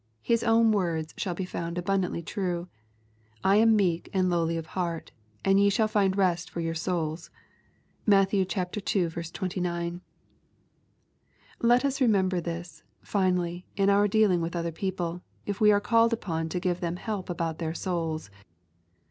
His own words shall be found abundantly true :^' I am meek and lowly of heart, and ye shall find rest to your souls." (Matt. ii. 29.) Let us remember this, finally, in our dealing with other people, if we are called upon to give them help about their souls.